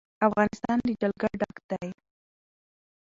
افغانستان له جلګه ډک دی.